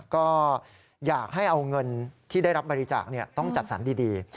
ก็อยากให้เอาเงินที่ได้รับบริจาคต้องจัดสรรดี